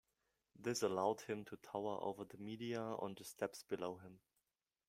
This allowed him to tower over the media on the steps below him.